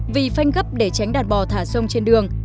vì phanh gấp để tránh đàn bò thả sông trên đường